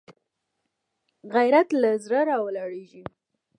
غیرت له زړه راولاړېږي